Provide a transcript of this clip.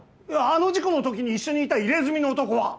あの事故の時に一緒にいた入れ墨の男は？